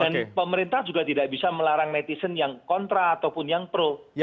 dan pemerintah juga tidak bisa melarang netizen yang kontra ataupun yang pro